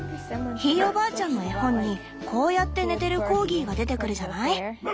ひいおばあちゃんの絵本にこうやって寝てるコーギーが出てくるじゃない？